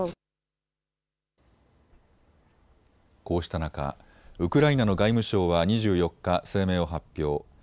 こうした中、ウクライナの外務省は２４日、声明を発表。